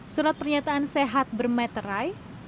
surat pernyataan sehat bermaterai